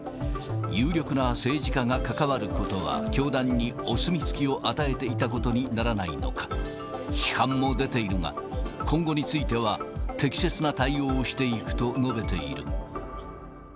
有力な政治家が関わることは、教団にお墨付きを与えていたことにならないのか、批判も出ているが、今後については、適切な対応をしていくと述べている。